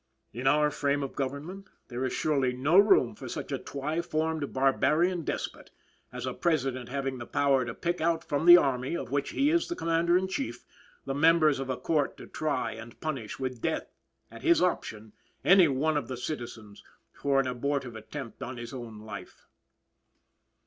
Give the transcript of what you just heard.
In our frame of government, there is surely no room for such a twi formed barbarian despot, as a President having the power to pick out from the army, of which he is the commander in chief, the members of a court to try and punish with death, at his option, any one of the citizens, for an abortive attempt on his own life.